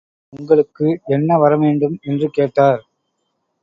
உங்களுக்கு என்ன வரம் வேண்டும்? என்று கேட்டார்.